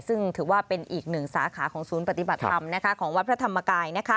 ซึ่งถือว่าเป็นอีกหนึ่งสาขาของศูนย์ปฏิบัติธรรมของวัดพระธรรมกาย